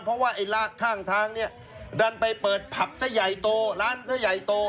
เพราะว่าไอ้ข้างทางเนี่ยดันไปเปิดผับซะใหญ่โตร้านซะใหญ่โต